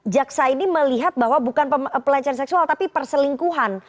jaksa ini melihat bahwa bukan pelecehan seksual tapi perselingkuhan